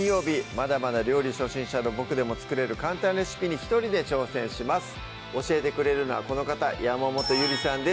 まだまだ料理初心者のボクでも作れる簡単レシピに一人で挑戦します教えてくれるのはこの方山本ゆりさんです